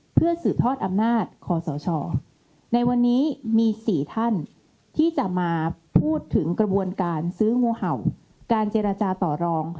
เพื่อสืบทอดอำนาจคอสชในวันนี้มี๔ท่านที่จะมาพูดถึงกระบวนการซื้องูเห่าการเจรจาต่อรอง